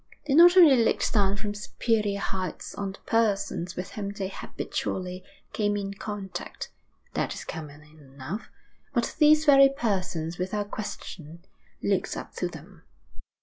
They not only looked down from superior heights on the persons with whom they habitually came in contact that is common enough but these very persons without question looked up to them.